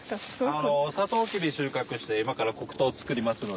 あのサトウキビ収穫して今から黒糖を作りますので。